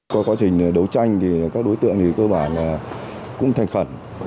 qua quá trình đấu tranh thì các đối tượng thì cơ bản cũng thành khẩn